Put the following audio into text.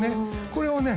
これをね